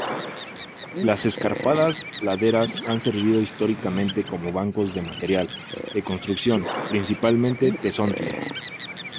Las escarpadas laderas han servido históricamente como bancos de material de construcción, principalmente tezontle.